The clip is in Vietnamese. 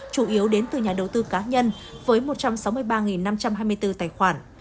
chủ yếu đến từ nhà đầu tư cá nhân với một trăm sáu mươi ba năm trăm hai mươi bốn tài khoản